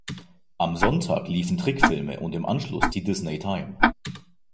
Am Sonntag liefen Trickfilme und im Anschluss die Disney Time.